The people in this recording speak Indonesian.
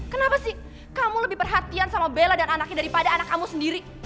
kenapa sih kamu lebih perhatian sama bella dan anaknya daripada anak kamu sendiri